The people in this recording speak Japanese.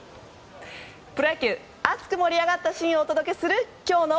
プロ野球熱く盛り上がったシーンをお届けする今日の。